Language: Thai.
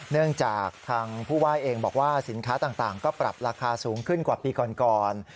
เนื่องจากทางผู้ว่าเองบอกว่าสินค้าต่างก็ปรับราคาสูงขึ้นกว่าปีก่อน